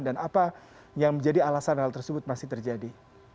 dan apa yang menjadi alasan hal tersebut masih terjadi